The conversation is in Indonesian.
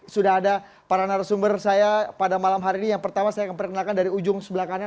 sudah ada para narasumber saya pada malam hari ini yang pertama saya akan perkenalkan dari ujung sebelah kanannya